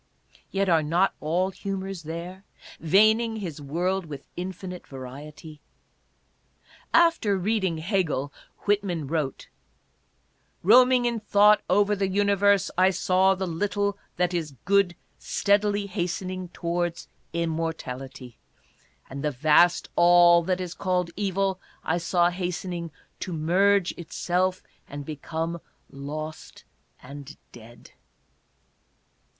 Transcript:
Yet are not all humors there, veining his world with " infinite variety "? ''After reading Hegel " Whitman wrote: " Roaming in thought over the Universe, I saw the little that is Good steadily hastening towards immortality, And the vast all that is called Evil I saw hastening to merge itself and be come lost and dead."